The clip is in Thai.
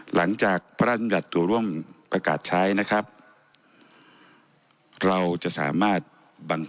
หลังจากพรรดิ์พรำยัทธ์ตัวร่วมประกาศใช้นะครับ